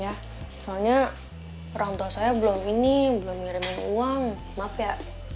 soalnya orang tua saya belum ini belum ngirimin uang maaf ya